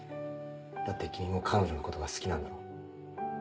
だって君も彼女のことが好きなんだろ。